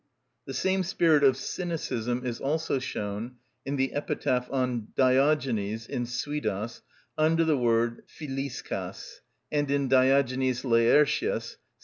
_) The same spirit of cynicism is also shown in the epitaph on Diogenes, in Suidas, under the word Φιλισκος, and in "Diogenes Laertius," vi.